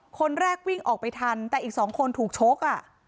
คนแรกวิ่งออกไปทันแต่อีกสองคนถูกชกอ่ะ